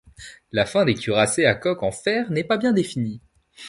La fin des cuirassés à coque en fer n'est pas bien définie.